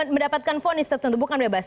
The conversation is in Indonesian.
mendapatkan vonis tertentu bukan bebas